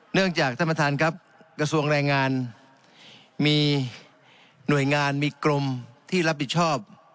เนื่องจากท่านประธานครับกระทรวงแรงงานมีหน่วยงานมีกรมที่รับผิดชอบ